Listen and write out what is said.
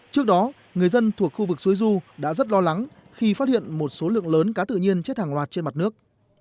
trước đó người dân thuộc khu vực suối du đã rất lo lắng khi phát hiện một số lượng lớn cá tự nhiên chết hàng loạt trên mặt nước